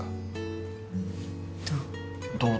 どう？